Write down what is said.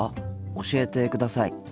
教えてください。